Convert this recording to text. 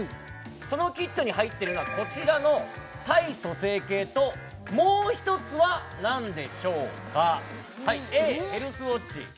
そのキットに入っているのはこちらの体組成計ともう一つは何でしょうか？